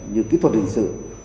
như kỹ thuật hình sự